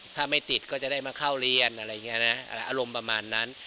ถ้าไม่ติดก็จะได้มาเข้าเรียนอะไรอย่างนี้นะอารมณ์ประมาณนั้น